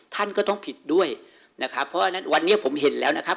ท่านก็ต้องผิดด้วยนะครับเพราะฉะนั้นวันนี้ผมเห็นแล้วนะครับ